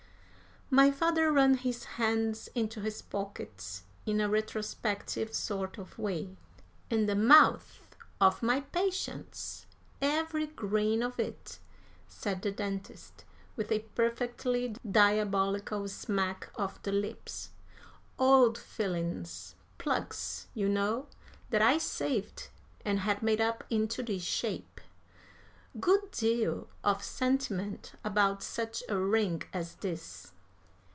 My father ran his hands into his pockets in a retrospective sort of way. "In the mouths of my patients, every grain of it," said the dentist, with a perfectly diabolical smack of the lips. "Old fillings plugs, you know that I saved, and had made up into this shape. Good deal of sentiment about such a ring as this."